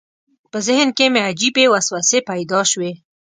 په ذهن کې مې عجیبې وسوسې پیدا شوې.